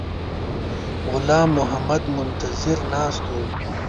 غلام محمد منتظر ناست وو.